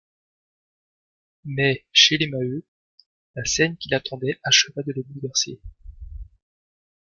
Mais, chez les Maheu, la scène qui l’attendait acheva de le bouleverser.